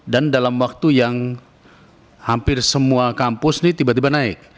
dalam waktu yang hampir semua kampus ini tiba tiba naik